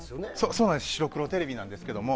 そうなんです白黒テレビなんですけど。